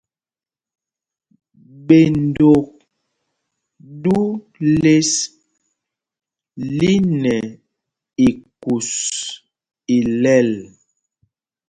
Ɓendok ɗû lěs lí nɛ ikûs ilɛl.